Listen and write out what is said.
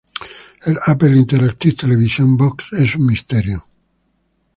El Apple Interactive Television Box es un misterio.